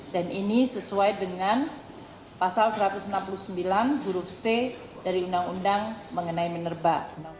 dan ini sesuai dengan pasal satu ratus enam puluh sembilan huruf c dari undang undang mengenai minerba